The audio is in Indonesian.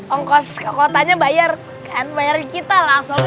ongkos ke kotanya bayar kan bayarin kita lah sob